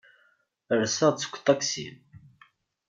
Rseɣ-d seg uṭaksi.